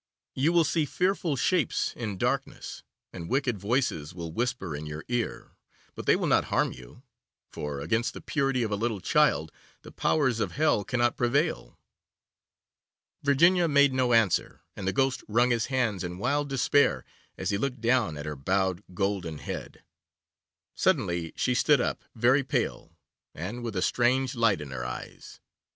You will see fearful shapes in darkness, and wicked voices will whisper in your ear, but they will not harm you, for against the purity of a little child the powers of Hell cannot prevail.' Virginia made no answer, and the Ghost wrung his hands in wild despair as he looked down at her bowed golden head. Suddenly she stood up, very pale, and with a strange light in her eyes.